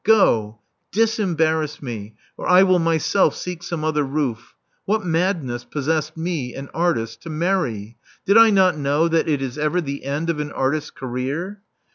Go: disembarrass me, or I will myself seek some other roof. What madness possessed me, an artist, to marry? Did I not know that it is ever the end of an artist's career?"